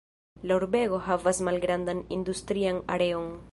La urbego havas malgrandan industrian areon.